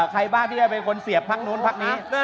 ใครบ้างที่จะเป็นคนเสียบพักนู้นพักนี้